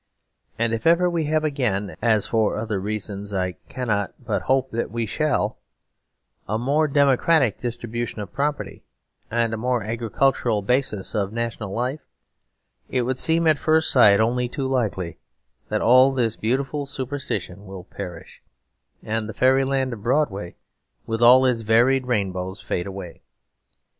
And if ever we have again, as for other reasons I cannot but hope we shall, a more democratic distribution of property and a more agricultural basis of national life, it would seem at first sight only too likely that all this beautiful superstition will perish, and the fairyland of Broadway with all its varied rainbows fade away.